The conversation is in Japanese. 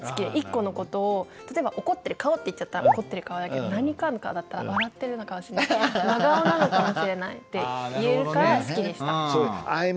１個の事を例えば「怒ってる顔」って言っちゃったら怒ってる顔だけど「何食わぬ顔」だったら笑ってるのかもしれないし真顔なのかもしれないって言えるから好きでした。